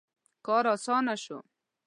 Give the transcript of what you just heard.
• کار آسانه شو.